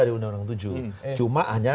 di undang undang nomor tujuh cuma hanya